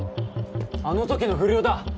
あの時の不良だ！